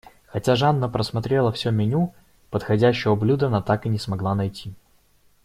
Хотя Жанна просмотрела всё меню, подходящего блюда она так и не смогла найти.